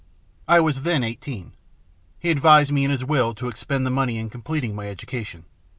I was then eighteen. He advised me in his will to expend the money in completing my education.